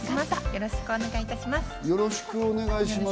よろしくお願いします。